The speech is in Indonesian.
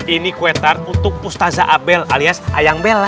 ini kue tart untuk ustazah abel alias ayang bella